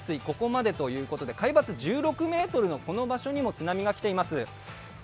ここまでということで、海抜１６ｍのこの場所にも津波がきています。